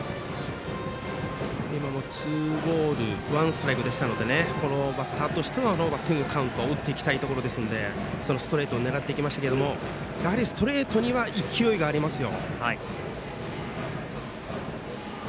今もツーボールワンストライクでしたのでこのバッターとしてはバッティングカウント打っていきたいところですのでそのストレートを狙ってきましたけれどもやはりストレートには勢いがありますよ。